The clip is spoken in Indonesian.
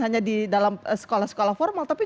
hanya di dalam sekolah sekolah formal tapi